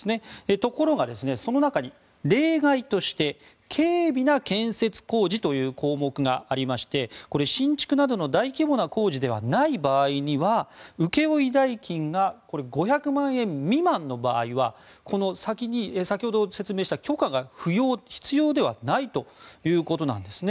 ところが、その中に例外として軽微な建設工事という項目がありましてこれ、新築などの大規模な工事ではない場合には請負代金が５００万円未満の場合はこの先ほど説明した許可が不要必要ではないということなんですね。